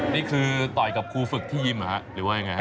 นี่คือต่อยกับครูฝึกที่ยิมเหรอฮะหรือว่ายังไงฮะ